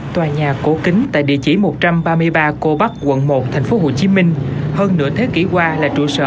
tòa nhà cổ kính tại địa chỉ một trăm ba mươi ba cô bắc quận một tp hcm hơn nửa thế kỷ qua là trụ sở